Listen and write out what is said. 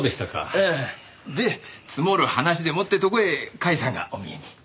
で積もる話でもってとこへ甲斐さんがお見えに。